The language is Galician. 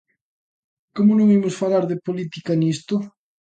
¿Como non imos falar de política nisto?